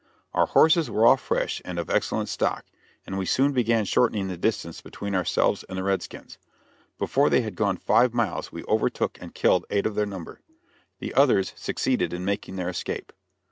Our horses were all fresh and of excellent stock, and we soon began shortening the distance between ourselves and the redskins. Before they had gone five miles we overtook and killed eight of their number. The others succeeded in making their escape.